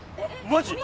マジ？